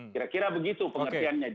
kira kira begitu pengertiannya